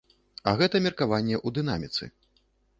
А гэта меркаванне ў дынаміцы.